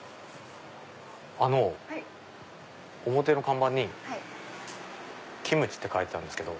あの表の看板にキムチって書いてあるんですけど。